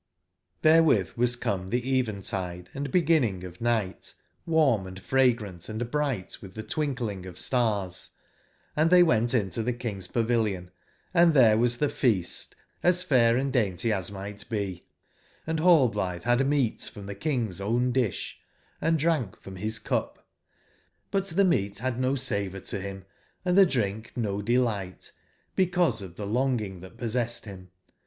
'' inBRG^Xt^fl* was come tbe eventide & be ginning of nigbt, warm and fragrant and brigbt witb tbc twinkling of stars, and tbey went into tbe King's pavilion, & tbcre was tbe feast as fair and dainty as migbt be; and Rallblitbe bad meat from tbc King's own disb, and drink from bis 82 cup; but the meat bad no savour to bim & tbc drink no dcligbt, because of tbe longing tbat possessed bim.